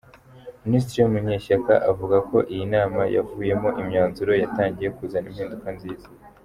Minisitiri Munyeshyaka avuga ko iyi nama yavuyemo imyanzuro yatangiye kuzana impinduka nziza.